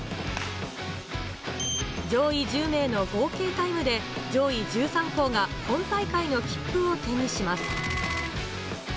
上位１０名の合計タイムで、上位１３校が本大会の切符を手にします。